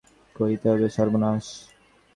যাহা হউক, সবিশেষ অনুসন্ধান করিতে হইল।